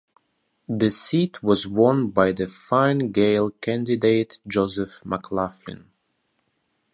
The seat was won by the Fine Gael candidate Joseph McLoughlin.